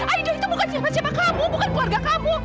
ayo itu bukan siapa siapa kamu bukan keluarga kamu